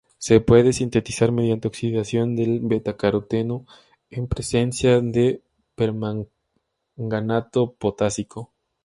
Se puede sintetizar mediante oxidación del betacaroteno en presencia de permanganato potásico.